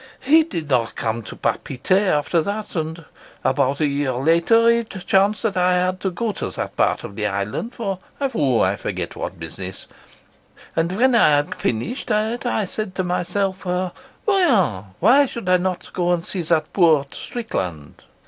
"He did not come much to Papeete after that, and about a year later it chanced that I had to go to that part of the island for I forgot what business, and when I had finished it I said to myself: ', why should I not go and see that poor Strickland?'